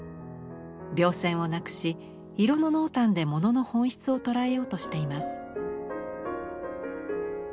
描線をなくし色の濃淡で物の本質を捉えようとしています。